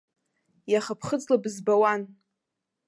Иаха ԥхыӡла бызбауан.